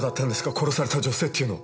殺された女性っていうのは！